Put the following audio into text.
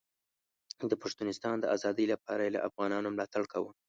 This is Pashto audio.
د پښتونستان د ازادۍ لپاره یې له افغانانو ملاتړ کاوه.